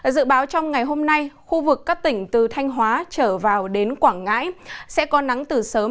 dự báo trong ngày hôm nay khu vực các tỉnh từ thanh hóa trở vào đến quảng ngãi sẽ có nắng từ sớm